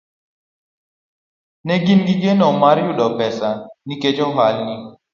Ne gin gi geno mar yudo pesa nikech ohalni